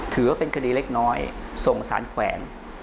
ถือว่าเป็นคดีเล็กน้อยส่งสารแขวน